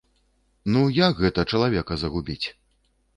Ну, як гэта чалавека загубіць?